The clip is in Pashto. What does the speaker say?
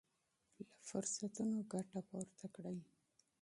له فرصتونو ګټه پورته کړئ.